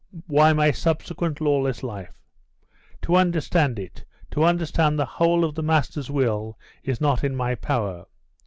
Why my subsequent lawless life? To understand it, to understand the whole of the Master's will is not in my power.